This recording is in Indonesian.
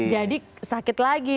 jadi sakit lagi deh